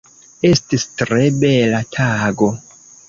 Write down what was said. Estis tre bela tago.